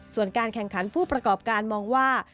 ส่วนการแข่งขันผู้ประกอบการมองว่า